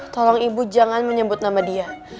tolong ibu jangan menyebut nama dia